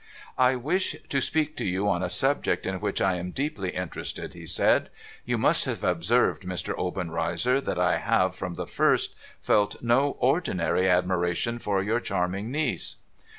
' I wish to speak to you on a subject in which I am deeply interested,' he said. ' You must have observed, Mr. Obenreizer, that I have, from the first, felt no ordinary admiration for your charming niece